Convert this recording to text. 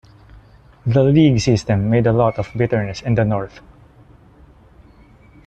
The league-system made a lot of bitterness in the north.